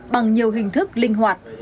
bằng nhiều hình thức linh hoạt